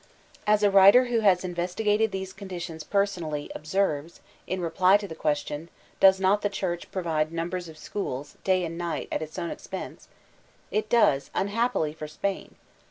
As a writer who has investigated these conditions per sonally, observes, in reply to the question, "Does not the Church provide numbers of schools, day and night, at its own expense ?*'— ^*It does, — ^unhappily for Spain.'"